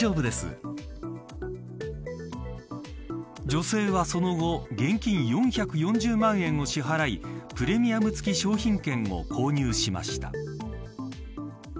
女性はその後現金４４０万円を支払いプレミアム付き商品券を購入しました。